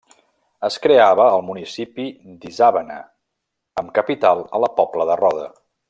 Es creava el municipi d'Isàvena, amb capital a la Pobla de Roda.